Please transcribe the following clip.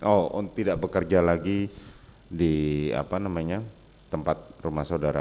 oh tidak bekerja lagi di tempat rumah saudara